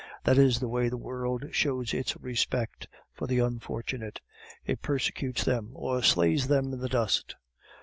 That is the way the world shows its respect for the unfortunate; it persecutes them, or slays them in the dust.